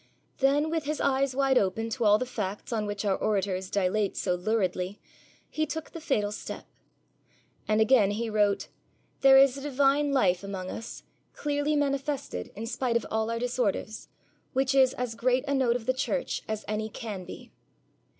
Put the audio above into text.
Then, with his eyes wide open to all the facts on which our orators dilate so luridly, he took the fatal step. And again he wrote, 'There is a divine life among us, clearly manifested, in spite of all our disorders, which is as great a note of the Church as any can be.'